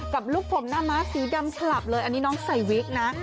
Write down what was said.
กับลูกผมหน้าม้าสีดำฉลับเลยอันนี้น้องใส่วิกนะ